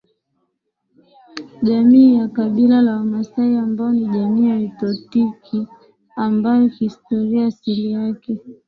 jamii ya Kabila la Wamaasai ambao ni jamii ya nilotiki ambayo kihistoria asilia yake